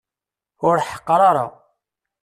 Ur ḥeqqer ara.